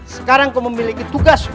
sekarang kau memiliki tugas